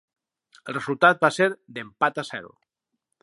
El resultat va ser d'empat a zero.